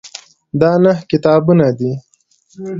دا نهه کتابونه دي.